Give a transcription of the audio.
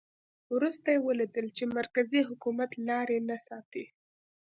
وروسته یې ولیدل چې مرکزي حکومت لاري نه ساتي.